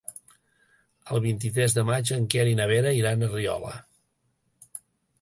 El vint-i-tres de maig en Quer i na Vera iran a Riola.